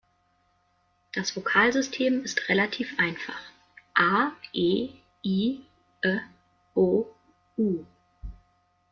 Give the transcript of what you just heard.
Das Vokalsystem ist relativ einfach: "a", "e", "i", "ə", "o", "u".